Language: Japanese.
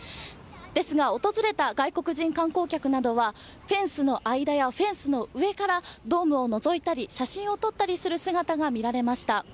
ですが訪れた外国人観光客などはフェンスの間やフェンスの上からドームをのぞいたり写真を撮ったりする姿が見られました。